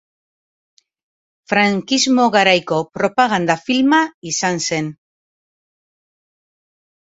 Frankismo garaiko propaganda filma izan zen.